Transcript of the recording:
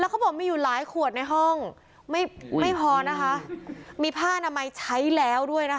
เขาบอกมีอยู่หลายขวดในห้องไม่ไม่พอนะคะมีผ้านามัยใช้แล้วด้วยนะคะ